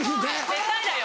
絶対だよ！